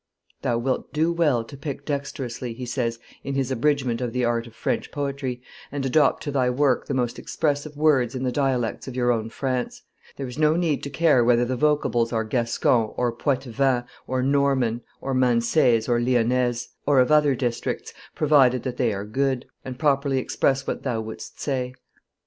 'Thou wilt do well to pick dexterously,' he says, in his abridgment of the art of French poetry, 'and adopt to thy work the most expressive words in the dialects of our own France; there is no need to care whether the vocables are Gascon, or Poitevin, or Norman, or Mancese, or Lyonnese, or of other districts, provided that they are good, and properly express what thou wouldst say.